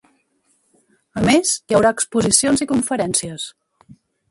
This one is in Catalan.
A més, hi haurà exposicions i conferències.